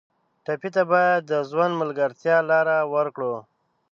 ټپي ته باید د ژوند د ملګرتیا لاره ورکړو.